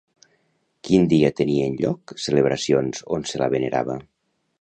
Quin dia tenien lloc celebracions on se la venerava?